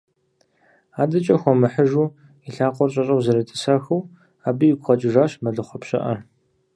АдэкӀэ хуэмыхьыжу, и лъакъуэр щӀэщӀэу зэретӀысэхыу, абы игу къэкӀыжащ мэлыхъуэ пщыӀэр.